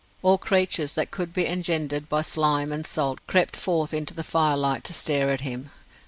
All creatures that could be engendered by slime and salt crept forth into the firelight to stare at him.